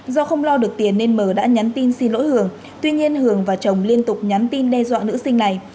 do không lo được tiền nên mờ đã nhắn tin xin lỗi hường tuy nhiên hường và chồng liên tục nhắn tin đe dọa nữ sinh này